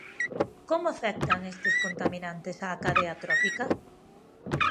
Como afectan estes contaminantes á cadea trófica?